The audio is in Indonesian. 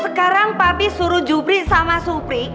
sekarang papi suruh jubri sama supri